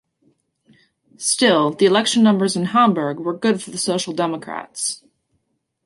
Still, the election numbers in Hamburg were good for the Social Democrats.